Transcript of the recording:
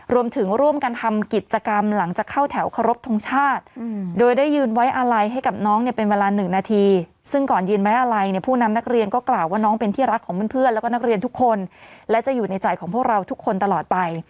รวมถึงร่วมกันทำกิจกรรมหลังจากเข้าแถวเคารพทงชาติโดยได้ยืนไว้อาลัยให้กับน้องเนี่ยเป็นเวลา๑นาทีซึ่งก่อนยืนไว้อะไรเนี่ยผู้นำนักเรียนก็กล่าวว่าน้องเป็นที่รักของเพื่อนแล้วก็นักเรียนทุกคนและจะอยู่ในใจของพวกเราทุกคนตลอดไป